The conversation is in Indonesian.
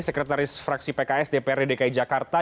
sekretaris fraksi pks dprd dki jakarta